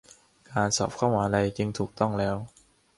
การสอบเข้ามหาลัยจึงถูกต้องแล้ว